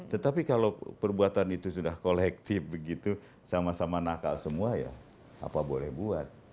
tetapi kalau perbuatan itu sudah kolektif begitu sama sama nakal semua ya apa boleh buat